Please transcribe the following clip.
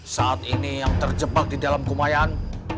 saat ini yang terjebak di dalam kumayan